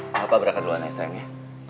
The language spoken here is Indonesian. papa berangkat dulu ananya sayangnya